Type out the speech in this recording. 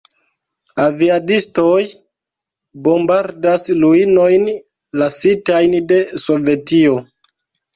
Aviadistoj bombardas ruinojn lasitajn de Sovetio.